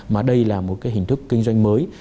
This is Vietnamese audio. mà đây là một cái hình thức kinh doanh mới